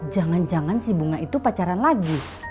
jangan jangan si bunga itu pacaran lagi